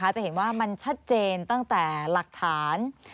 จะเห็นว่ามันชัดเจนตั้งแต่หลักฐาน